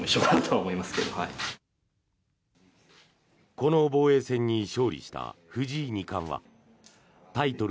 この防衛戦に勝利した藤井二冠はタイトル